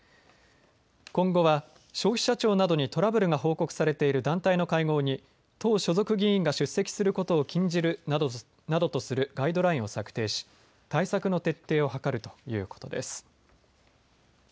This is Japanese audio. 今後は、消費者庁などにトラブルが報告されている団体の会合に党所属議員が出席することを禁じるなどとするガイドラインを策定し対策の徹底を図るということです。